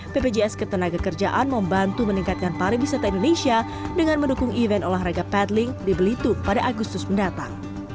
bpjs ketenaga kerjaan membantu meningkatkan pariwisata indonesia dengan mendukung event olahraga pedling di belitung pada agustus mendatang